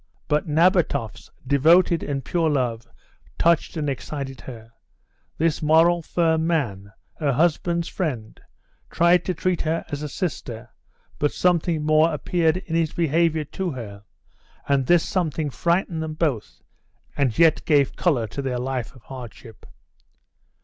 But Nabatoff's devoted and pure love touched and excited her. This moral, firm man, her husband's friend, tried to treat her as a sister, but something more appeared in his behaviour to her, and this something frightened them both, and yet gave colour to their life of hardship.